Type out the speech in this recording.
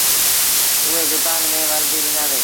اُئي زبآن ميݩ ورنديٚ ڏنآندي۔